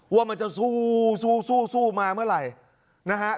ว่ามันจะสู้สู้สู้มาเมื่อไหร่